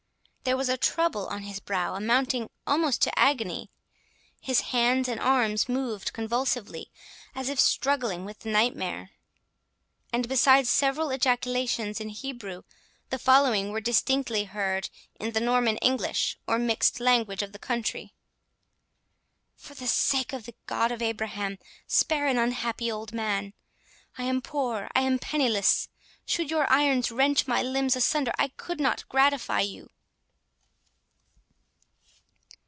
There was a trouble on his brow amounting almost to agony. His hands and arms moved convulsively, as if struggling with the nightmare; and besides several ejaculations in Hebrew, the following were distinctly heard in the Norman English, or mixed language of the country: "For the sake of the God of Abraham, spare an unhappy old man! I am poor, I am penniless—should your irons wrench my limbs asunder, I could not gratify you!"